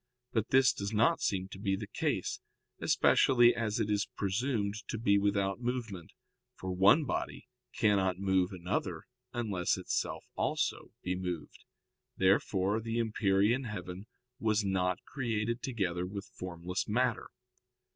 But this does not seem to be the case, especially as it is presumed to be without movement; for one body cannot move another unless itself also be moved. Therefore the empyrean heaven was not created together with formless matter.